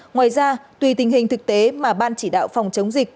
ngoài ra tùy tình hình thực tế mà ban chỉ đạo phòng chống dịch